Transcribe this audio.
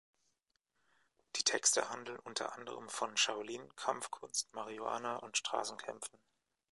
Die Texte handeln unter anderem von Shaolin-Kampfkunst, Marihuana und Straßenkämpfen.